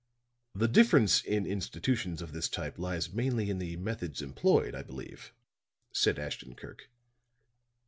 "The difference in institutions of this type lies mainly in the methods employed, I believe," said Ashton Kirk.